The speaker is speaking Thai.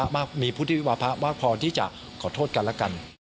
มีผู้ที่มีวัฒวะพอที่จะขอโทษกันแล้วกัน